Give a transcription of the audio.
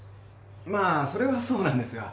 まあそれはそうなんですが。